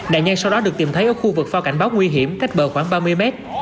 nạn nhân sau đó được tìm thấy ở khu vực phao cảnh báo nguy hiểm cách bờ khoảng ba mươi mét